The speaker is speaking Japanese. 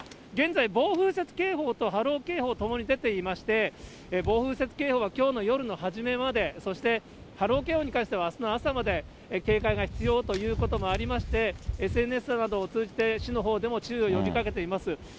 現在、暴風雪警報と波浪警報ともに出ていまして、暴風雪警報がきょうの夜の初めまで、そして波浪警報に関してはあすの朝まで警戒が必要ということもありまして、ＳＮＳなどを通じて、市のほうでも注意を呼びかけています。